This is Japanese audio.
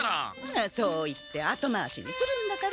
あそう言って後回しにするんだから。